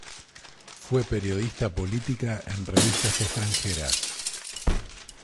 Fue periodista política en revistas extranjeras.